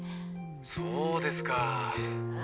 そうですか。